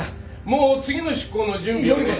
もう次の出航の準備をね。